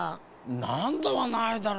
なんだはないだろ